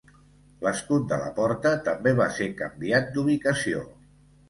L'escut de la porta també va ser canviat d'ubicació.